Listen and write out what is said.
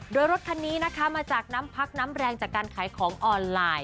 โดยรถคันนี้นะคะมาจากน้ำพักน้ำแรงจากการขายของออนไลน์